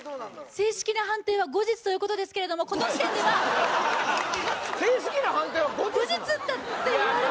正式な判定は後日ということですけれどもこの時点では正式な判定は後日なの？